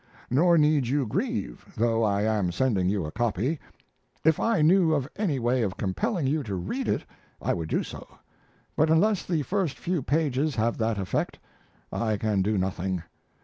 Nor need you grieve, though I am sending you a copy. If I knew of any way of compelling you to read it I would do so, but unless the first few pages have that effect I can do nothing.